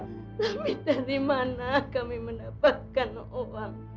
tapi dari mana kami mendapatkan obat